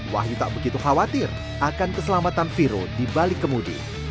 wahyu tak begitu khawatir akan keselamatan viro di balik kemudi